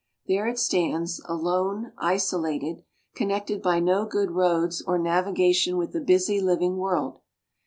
There it stands, alone, isolated, connected by no good roads or navigation with the busy, living world.